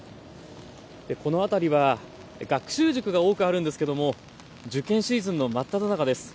この辺りは学習塾が多くあるんですけども受験シーズンの真っただ中です。